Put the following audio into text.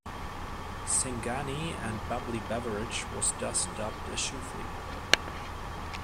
Singani and bubbly beverage was thus dubbed a "shoofly".